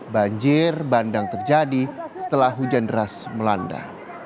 banjir bandang terjadi setelah hujan deras melanda